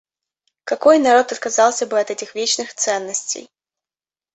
Какой народ отказался бы от этих вечных ценностей?